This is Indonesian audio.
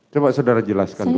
coba saudara jelaskan dulu